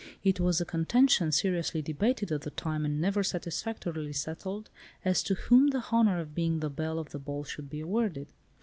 It was a contention seriously debated at the time, and never satisfactorily settled, as to whom the honour of being the belle of the ball should be awarded.